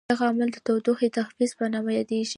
دغه عمل د تودوخې تحفظ په نامه یادیږي.